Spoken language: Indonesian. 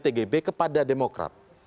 tgb kepada demokrat